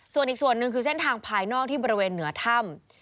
ส่วนอีกส่วนหนึ่งคือเส้นทางภายนอกที่บริเวณเหนือถ้ำ